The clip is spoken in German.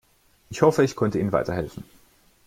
Ich hoffe, ich konnte ihnen weiterhelfen.